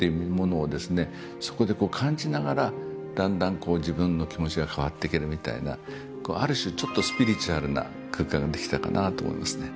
そこで感じながらだんだん自分の気持ちが変わっていけるみたいなある種ちょっとスピリチュアルな空間ができたかなと思いますね。